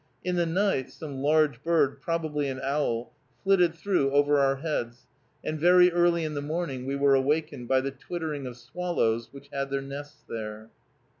In the night some large bird, probably an owl, flitted through over our heads, and very early in the morning we were awakened by the twittering of swallows which had their nests there.